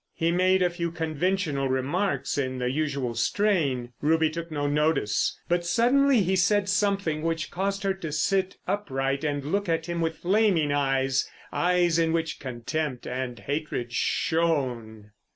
He made a few conventional remarks in the usual strain. Ruby took no notice. But suddenly he said something which caused her to sit upright and look at him with flaming eyes, eyes in which contempt and hatred shone.